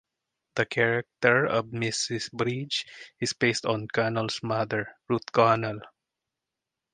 The character of Mrs. Bridge is based on Connell's mother, Ruth Connell.